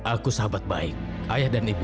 aku sahabat baik ayah dan ibu